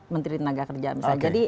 menteri tenaga kerja jadi